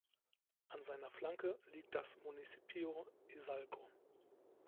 An seiner Flanke liegt das Municipio Izalco.